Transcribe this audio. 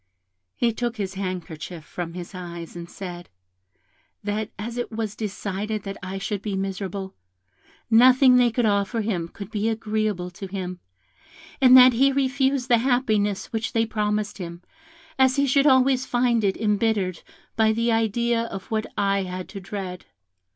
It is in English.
He took his handkerchief from his eyes and said, that as it was decided that I should be miserable, nothing they could offer him could be agreeable to him, and that he refused the happiness which they promised him, as he should always find it embittered by the idea of what I had to dread.